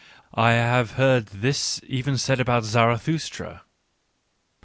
... I have heard this said even about Zarathustra.